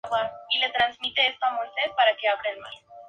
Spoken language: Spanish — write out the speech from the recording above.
Está situada al suroeste del Parque nacional del Distrito de los Picos.